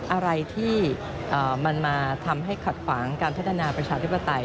อะไรที่มันมาทำให้ขัดขวางการพัฒนาประชาธิปไตย